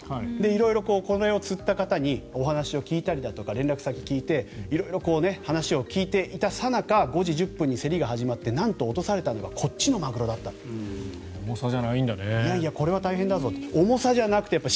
色々これを釣った方にお話を聞いたりだとか連絡先を聞いて色々話を聞いていたさなか５時１０分に競りが始まってなんと落とされたのが重さじゃないんだね。